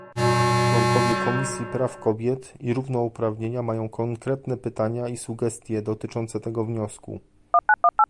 Członkowie Komisji Praw Kobiet i Równouprawnienia mają konkretne pytania i sugestie dotyczące tego wniosku